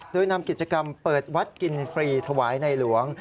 โดยนำกิจกรรมเปิดวัดกินฟรีถวายในหลวง